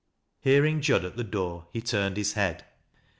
Hearing Jud at the door, he turned his head.